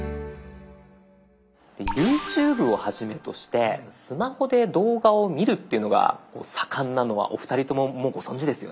ＹｏｕＴｕｂｅをはじめとしてスマホで動画を見るっていうのが盛んなのはお二人とももうご存じですよね？